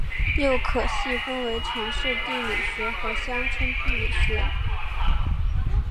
又可细分为城市地理学和乡村地理学。